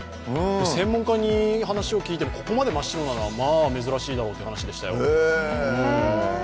専門家に話を聞いても、ここまで真っ白なのは珍しいという話でしたよ。